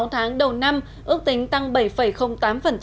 sáu tháng đầu năm ước tính tăng bảy tám